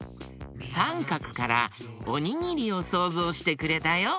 サンカクからおにぎりをそうぞうしてくれたよ。